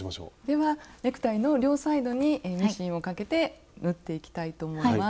ではネクタイの両サイドにミシンをかけて縫っていきたいと思います。